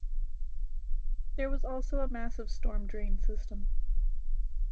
There was also a massive storm drain system.